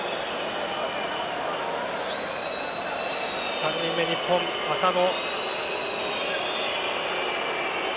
３人目・日本、浅野。